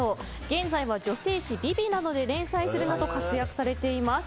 現在は女性誌「ＶｉＶｉ」などで連載するほど活躍しています。